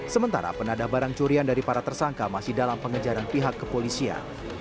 sementara penadah barang curian dari para tersangka masih dalam pengejaran pihak kepolisian